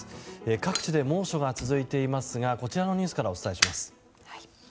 各地で猛暑が続いていますがこちらのニュースからお伝えします。